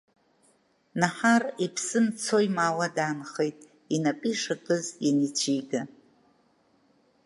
Наҳар иԥсы мцо-имаауа даанхеит, инапы ишакыз ианицәига.